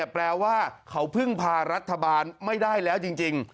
แปลว่าเขาพึ่งพารัฐบาลไม่ได้แล้วจริง